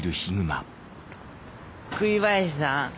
栗林さん。